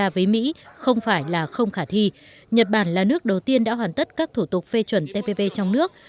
với mỹ không phải là không khả thi nhật bản là nước đầu tiên đã hoàn tất các thủ tục phê chuẩn tp trong nước